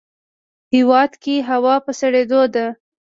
هیواد کې هوا په سړیدو ده